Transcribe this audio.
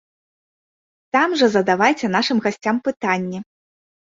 Там жа задавайце нашым гасцям пытанні!